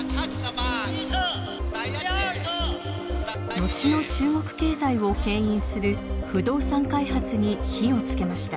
後の中国経済をけん引する不動産開発に火をつけました。